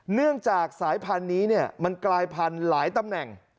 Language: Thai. เนื่องจากสายพันธุ์นี้มันกลายพันธุ์หลายตำแหน่ง